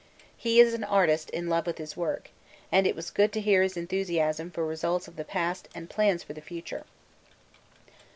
He is an artist in love with his work, and it was good to hear his enthusiasm for results of the past and plans of the future.